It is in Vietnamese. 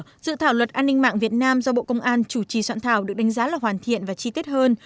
dự thảo luật an ninh mạng việt nam do bộ công an chủ trì soạn thảo được đánh giá là hoàn thiện và chi tiết hơn